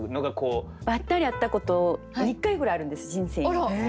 ばったり会ったこと２回ぐらいあるんです人生に。